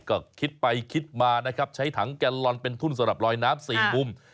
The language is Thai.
ก็คิดไปคิดมานะครับใช้ถังแกนลอนเป็นทุ่นสำหรับลอยน้ำ๔มุม